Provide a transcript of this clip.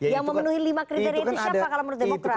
yang memenuhi lima kriteria itu siapa kalau menurut demokrat